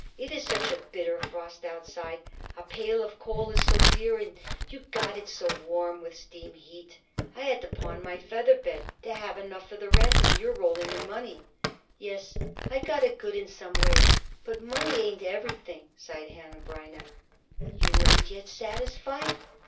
It is such a bitter frost outside; a pail of coal is so dear, and you got it so warm with steam heat. I had to pawn my feather bed to have enough for the rent, and you are rolling in money." "Yes, I got it good in some ways, but money ain't everything," sighed Hanneh Breineh. "You ain't yet satisfied?"